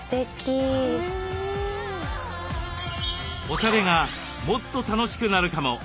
おしゃれがもっと楽しくなるかも！